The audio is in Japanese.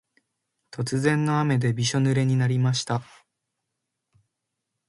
突然の雨でびしょぬれになりました。